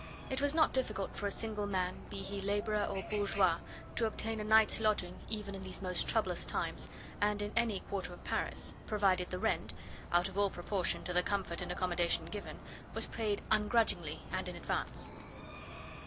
It was not difficult for a single man, be he labourer or bourgeois, to obtain a night's lodging, even in these most troublous times, and in any quarter of Paris, provided the rent out of all proportion to the comfort and accommodation given was paid ungrudgingly and in advance.